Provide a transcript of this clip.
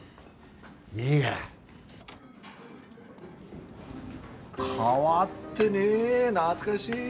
いいがら。変わってねえ懐かしい！